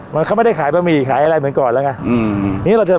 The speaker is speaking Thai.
มันเขาไม่ได้ขายปะหมี่ขายอะไรเหมือนก่อนแล้วไงอืมอืมนี่เราจะ